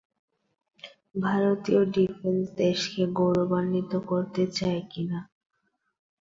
ভারতীয় ডিফেন্স দেশকে গৌরবান্বিত করতে চায় কী না!